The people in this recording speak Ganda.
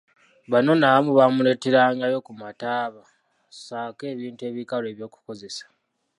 Bano nno abamu baamuleeterangayo ku mataaba ssaako ebintu ebikalu ebyokukozesa.